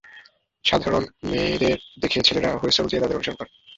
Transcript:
সাধারণর মেয়েদের দেখে ছেলেরা হুইসেল দিয়ে তাদের অনুসরণ করে।